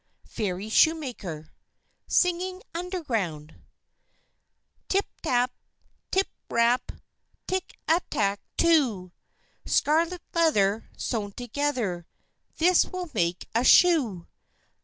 FAIRY SHOEMAKER (singing underground) Tip tap, rip rap, Tick a tack too! Scarlet leather, sewn together, This will make a shoe.